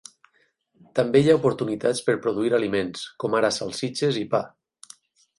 També hi ha oportunitats per produir aliments, com ara salsitxes i pa.